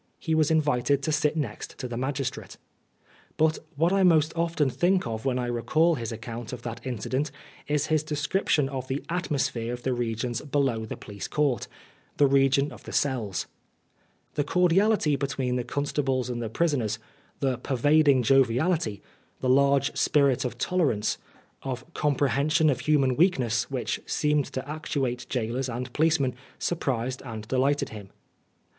He was invited to sit next to the magistrate. But what I most often think of when I recall his account of that incident is his description of the atmosphere of the regions below the police court the region of the cells. The cordiality between the constables and the prisoners, the pervading joviality, the large spirit of tolerance, of comprehension of human weakness, which seemed to actuate gaolers and policemen, surprised and delighted him.